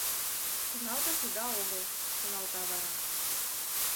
«Тӱҥалтыш уда огыл», — шоналта вара.